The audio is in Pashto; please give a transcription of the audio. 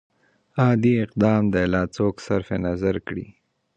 عادي اقدام دې لا څوک صرف نظر کړي.